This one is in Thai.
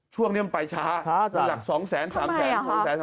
ช่วงนี้มันไปช้ามันอยาก๒แสน๓แสน